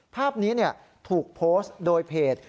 ภาพนี้ถูกโพสต์โดยเพจ